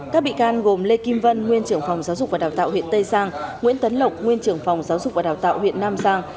các bị can gồm lê kim vân nguyên trưởng phòng giáo dục và đào tạo huyện tây giang nguyễn tấn lộc nguyên trưởng phòng giáo dục và đào tạo huyện nam giang